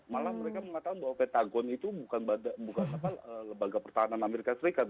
malah mereka mengatakan bahwa petagon itu bukan lembaga pertahanan amerika serikat